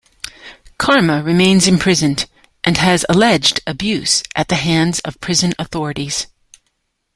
Karma remains imprisoned and has alleged abuse at the hands of prison authorities.